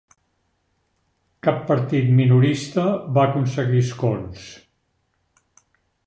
Cap partit minorista va aconseguir escons.